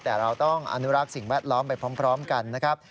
แต่เราต้องอนุรักษ์สิ่งแวดล้อมไปพร้อมกันนะครับ